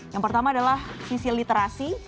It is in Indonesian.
yang pertama adalah visi literasi